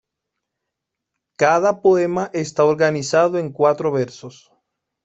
Cada poema está organizado en cuatro versos.